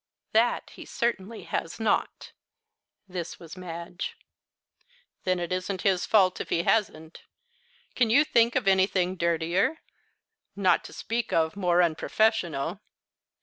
"That he certainly has not." This was Madge. "Then it isn't his fault if he hasn't. Can you think of anything dirtier? not to speak of more unprofessional?